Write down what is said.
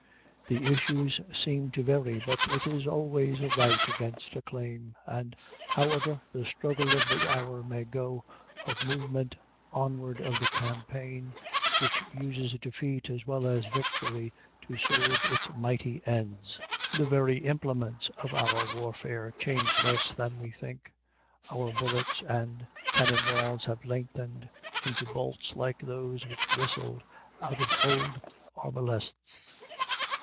The issues seem to vary, but it is always a right against a claim, and, however the struggle of the hour may go, a movement onward of the campaign, which uses defeat as well as victory to serve its mighty ends. The very implements of our warfare change less than we think. Our bullets and cannon balls have lengthened into bolts like those which whistled out of old arbalests.